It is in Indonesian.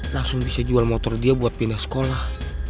langsung bisa jual motor dia buat pindah sekolah